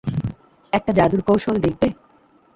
একটা জাদুর কৌশল দেখবে?